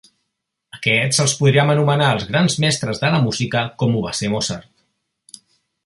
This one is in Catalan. Aquests els podríem anomenar els grans mestres de la música com ho va ser Mozart.